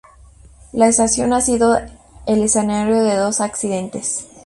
La estación ha sido el escenario de dos accidentes.